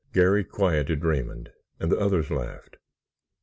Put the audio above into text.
Garry quieted Raymond and the others laughed.